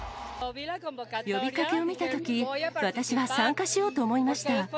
呼びかけを見たとき、私は参加しようと思いました。